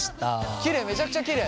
きれいめちゃくちゃきれい。